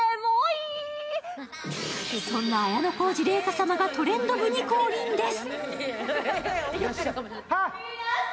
そんな綾小路麗華様が「トレンド部」に降臨です。